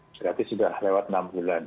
berarti sudah lewat enam bulan